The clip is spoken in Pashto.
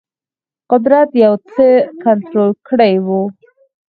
قدرت یو څه کنټرول کړی وو.